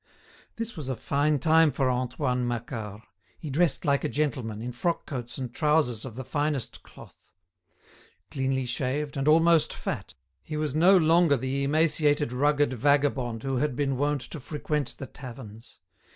This was a fine time for Antoine Macquart. He dressed like a gentleman, in frock coats and trousers of the finest cloth. Cleanly shaved, and almost fat, he was no longer the emaciated ragged vagabond who had been wont to frequent the taverns.